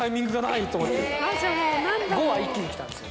５話一気に来たんですよ